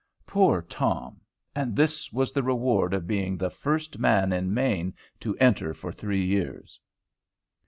Poor Tom! and this was the reward of being the first man in Maine to enter for three years!